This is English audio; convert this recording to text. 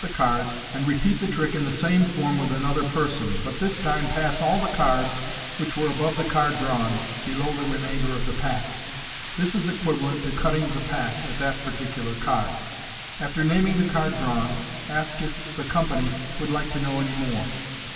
the cards, and repeat the trick in the same form with another person, but this time pass all the cards which were above the card drawn, below the remainder of the pack. This is equivalent to cutting the pack at that particular card. After naming the card drawn, ask if the com pany would like to know any more.